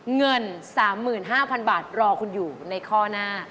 เงิน๓๕๐๐๐บาทรอคุณอยู่ในข้อหน้า